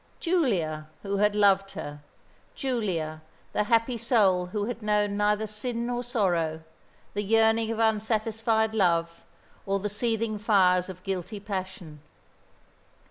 Giulia, who had loved her, Giulia, the happy soul who had known neither sin nor sorrow, the yearning of unsatisfied love, or the seething fires of guilty passion.